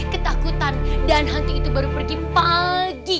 ketakutan dan hantu itu baru pergi pagi